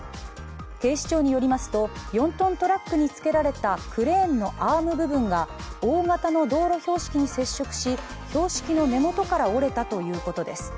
警視庁によりますと、４ｔトラックにつけられたクレーンのアーム部分が大型の道路標識に接触し標識の根元から折れたということです。